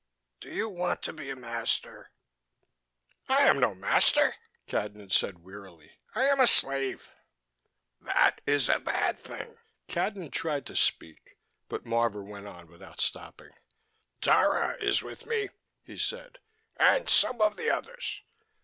"Do you want to be a master?" "I am no master," Cadnan said wearily. "I am a slave." "That is a bad thing." Cadnan tried to speak, but Marvor went on without stopping. "Dara is with me," he said, "and some of the others.